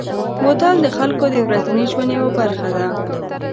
بوتل د خلکو د ورځني ژوند یوه برخه ده.